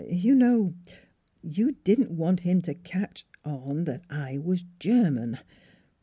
You know? You didn't want him to catch on that I was German.